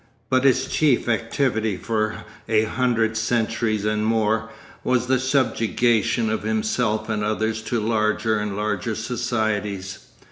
But his chief activity for a hundred centuries and more, was the subjugation of himself and others to larger and larger societies.